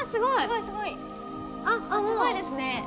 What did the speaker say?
すごいですね。